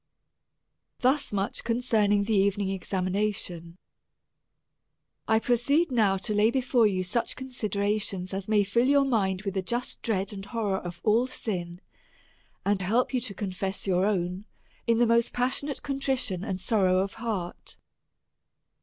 Thus much concerning the evening examination, I proceed now to lay before you such considerations as may fill your mind with a just dread and horror of all sin, and help you to confess your own in the most passionate contrition and sorrow of heart.